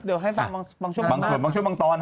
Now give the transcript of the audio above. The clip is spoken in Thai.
บางช่วงบางตอน